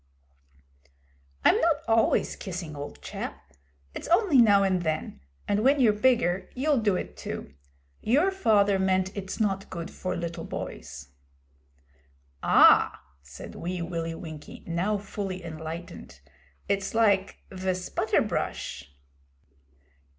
'I'm not always kissing, old chap. It's only now and then, and when you're bigger you'll do it too. Your father meant it's not good for little boys.' 'Ah!' said Wee Willie Winkie, now fully enlightened. 'It's like ve sputter brush?'